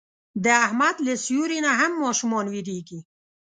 د احمد له سیوري نه هم ماشومان وېرېږي.